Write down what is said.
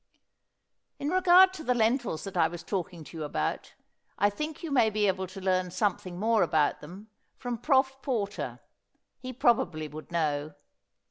In regard to the lentils that I was talking to you about, I think you may be able to learn something more about them from Prof. Porter. He probably would know.